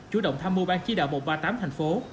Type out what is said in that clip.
chủ động tham mưu ban chỉ đạo một trăm ba mươi tám thành phố